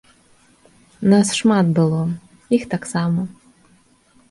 Нас шмат было, іх таксама.